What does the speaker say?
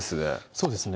そうですね